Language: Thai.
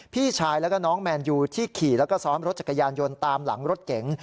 พี่ชายแล้วก็น้องแมนยูที่ขี่แล้วก็ซ้อนรถจักรยานยนต์ตามหลังรถเก๋ง